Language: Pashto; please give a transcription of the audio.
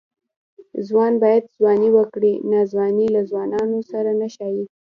ځوان باید ځواني وکړي؛ ناځواني له ځوانانو سره نه ښايي.